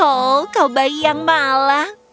oh kau bayi yang malang